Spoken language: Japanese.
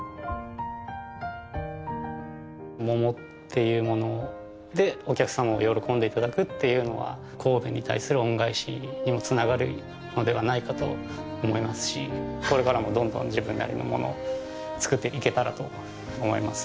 桃っていうものでお客様に喜んで頂くっていうのは神戸に対する恩返しにも繋がるのではないかと思いますしこれからもどんどん自分なりのものを作っていけたらと思います。